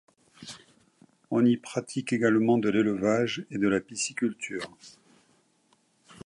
On y pratique également de l'élevage et de la pisciculture.